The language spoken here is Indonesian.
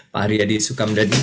pak haryadi sukamdhani